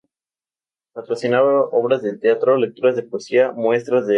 Patrocinaba obras de teatro, lecturas de poesía, muestras de arte y otras actividades culturales.